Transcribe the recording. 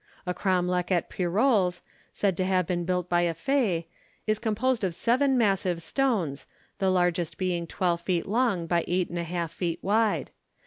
A cromlech at Pirols, said to have been built by a fée, is composed of seven massive stones, the largest being twelve feet long by eight and a half feet wide.